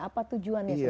apa tujuannya sebetulnya